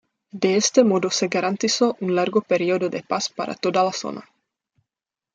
De este modo se garantizó un largo período de paz para toda la zona.